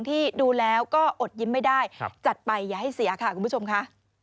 ที่ดูแล้วก็อดยิ้มไม่ได้จัดไปอย่าให้เสียค่ะคุณผู้ชมค่ะ